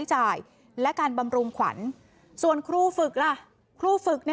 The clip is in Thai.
จ่ายและการบำรุงขวัญส่วนครูฝึกล่ะครูฝึกใน